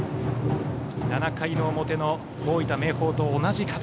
７回の表の大分・明豊と同じ形。